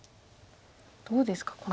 どうですか？